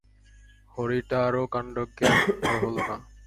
হরিটারও কাণ্ডজ্ঞান আর হল না।